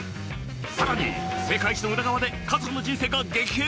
さらに世界一の裏側で家族の人生が激変。